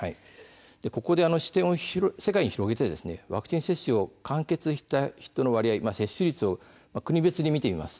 ここで視点を世界に広げてワクチン接種を完結した人の割合、接種率を国別に見てみます。